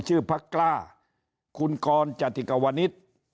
ชื่อภักคราฮีคุณกรจติกวนิท